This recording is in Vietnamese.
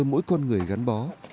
mỗi con người gắn bó